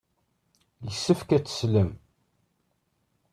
Yessefk ad teslem.